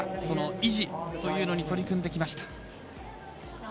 その維持というのに取り組んできました。